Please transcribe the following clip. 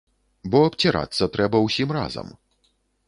Бо абцірацца трэба ўсім разам.